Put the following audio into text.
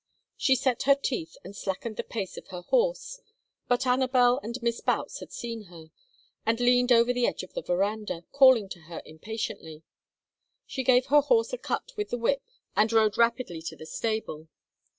She set her teeth and slackened the pace of her horse, but Anabel and Miss Boutts had seen her, and leaned over the edge of the veranda, calling to her impatiently. She gave her horse a cut with the whip and rode rapidly to the stable.